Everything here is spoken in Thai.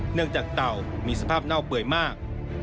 เนื่องจากเต่ามีสภาพเน่าเปื่อยมาก